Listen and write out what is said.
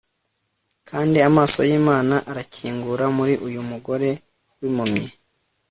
Kandi amaso yImana arakingura muri uyu mugore wimpumyi